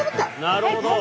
なるほど。